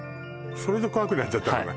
それで怖くなっちゃったのね